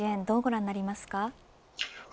どうご覧になりますか。